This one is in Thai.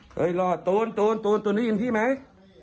เฮ้ยรอตูนตูนได้ยินพี่ไหม